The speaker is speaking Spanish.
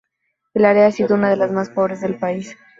El área ha sido una de las más pobres del país.